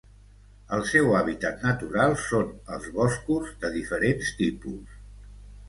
El seu hàbitat natural són els boscos de diferents tipus.